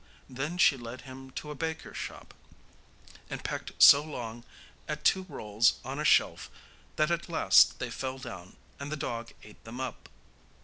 Then she led him to a baker's shop, and pecked so long at two rolls on a shelf that at last they fell down, and the dog ate them up.